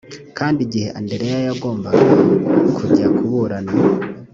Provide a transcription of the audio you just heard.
kandi igihe andrea yagombaga kujya kuburana